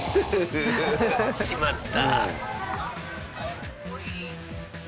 しまった。